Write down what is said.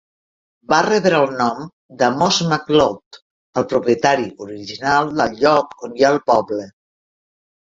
Va rebre el nom d'Amos McLouth, el propietari original del lloc on hi ha el poble.